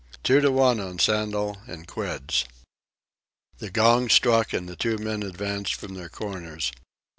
Two to one on Sandel, in quids." The gong struck and the two men advanced from their corners.